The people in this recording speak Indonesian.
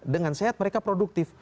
dengan sehat mereka produktif